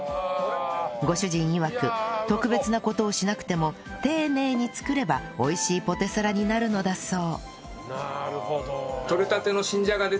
ご主人いわく特別な事をしなくても丁寧に作れば美味しいポテサラになるのだそう